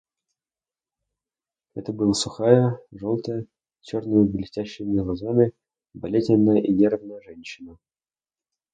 Это была сухая, желтая, с черными блестящими глазами, болезненная и нервная женщина.